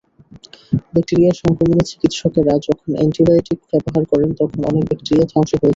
Bacteria সংক্রমণে চিকিৎসকেরা যখন অ্যান্টিবায়োটিক ব্যবহার করেন, তখন অনেক ব্যাকটেরিয়া ধ্বংস হয়ে যায়।